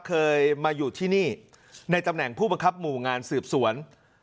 เคยมาอยู่ที่นี่ในตำแหน่งผู้บังคับหมู่งานสืบสวน